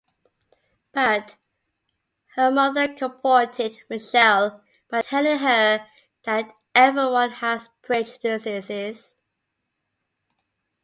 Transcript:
But, her mother comforted Michelle by telling her that everyone has prejudices.